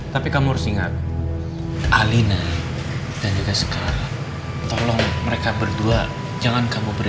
tapi kamu harus ingat alina dan juga sekarang tolong mereka berdua jangan kamu berdua